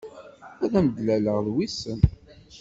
Ad am-d-laleɣ d wissen.